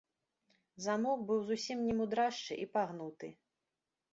Замок быў зусім немудрашчы і пагнуты.